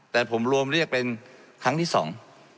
แต่ผมรวมเรียกเป็นครั้งที่สอง